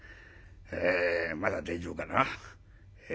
あまだ大丈夫かな？